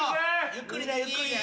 ゆっくりねゆっくりね。